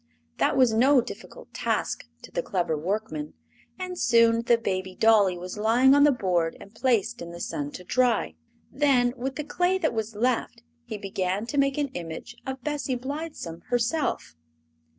That was no difficult task to the clever workman, and soon the baby dolly was lying on the board and placed in the sun to dry. Then, with the clay that was left, he began to make an image of Bessie Blithesome herself.